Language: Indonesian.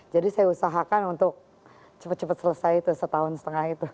jadi saya usahakan untuk cepat cepat selesai itu setahun setengah itu